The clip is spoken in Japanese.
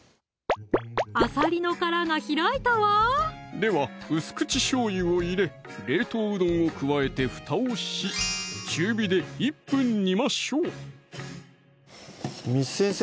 あさりの殻が開いたわでは薄口しょうゆを入れ冷凍うどんを加えてふたをし中火で１分煮ましょう簾先生